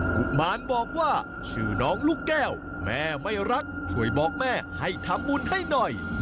กุมารบอกว่าชื่อน้องลูกแก้วแม่ไม่รักช่วยบอกแม่ให้ทำบุญให้หน่อย